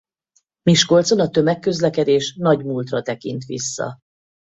Miskolcon a tömegközlekedés nagy múltra tekint vissza.